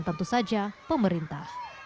dan tentu saja pemerintah